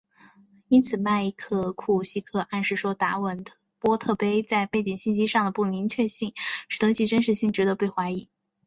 因此麦克库西克暗示说达文波特碑在背景信息上的不明确性使得其真实性值得被怀疑。